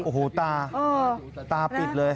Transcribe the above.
โอ้โหตาตาปิดเลย